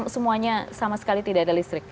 semuanya sama sekali tidak ada listrik